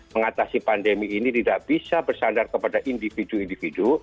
mengatasi pandemi ini tidak bisa bersandar kepada individu individu